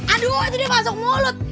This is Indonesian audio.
aduh jadi pasok mulut